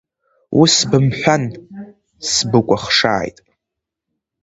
Ус бымҳәан, сбыкәыхшааит!